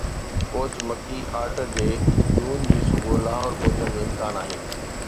coach Mickey Arthur جي جون جي صبح لاهور پهچڻ جو امڪان آهي